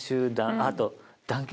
あと。